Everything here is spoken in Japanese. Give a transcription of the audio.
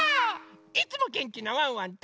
いつもげんきなワンワンと。